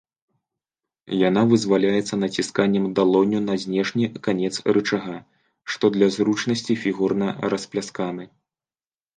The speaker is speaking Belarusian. Яна вызваляецца націсканнем далонню на знешні канец рычага, што для зручнасці фігурна расплясканы.